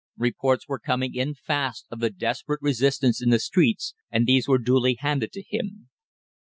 Reports were coming in fast of the desperate resistance in the streets, and these were duly handed to him.